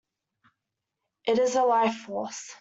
It is a life force.